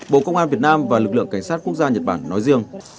bộ công an việt nam và lực lượng cảnh sát quốc gia nhật bản nói riêng